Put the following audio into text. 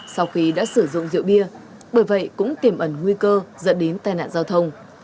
sau khi đã sử dụng rượu bia bởi vậy cũng tiềm ẩn nguy cơ dẫn đến tai nạn giao thông